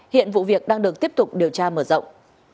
hiện vụ việc đang được tiếp tục điều tra mở rộng